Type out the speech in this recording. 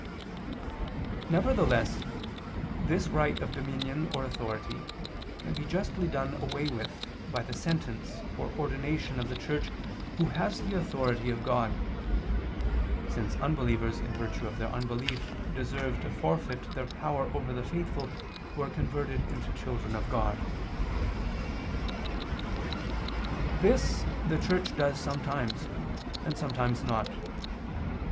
Nevertheless this right of dominion or authority can be justly done away with by the sentence or ordination of the Church who has the authority of God: since unbelievers in virtue of their unbelief deserve to forfeit their power over the faithful who are converted into children of God. This the Church does sometimes, and sometimes not.